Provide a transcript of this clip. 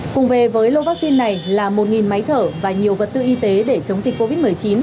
cùng về với lô vaccine này là một máy thở và nhiều vật tư y tế để chống dịch covid một mươi chín